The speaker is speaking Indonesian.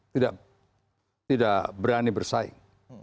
tidak berani bersaing